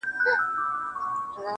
زما د سيمي د ميوند شاعري .